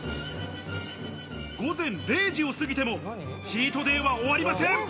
午前０時を過ぎてもチートデイは終わりません。